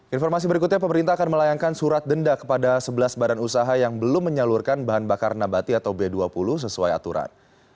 informasi berikutnya pemerintah akan melayangkan surat denda kepada sebelas badan usaha yang belum menyalurkan bahan bakar nabati atau b dua puluh sesuai aturan